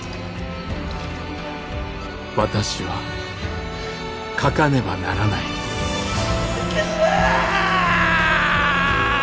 私は書かねばならないああ！